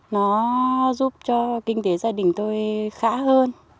nó giúp cho kinh tế gia đình tôi khá hơn